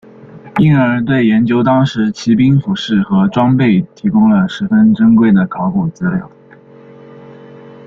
因而对研究当时骑兵服饰和装备提供了十分珍贵的考古资料。